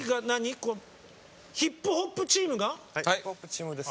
ヒップホップチームです。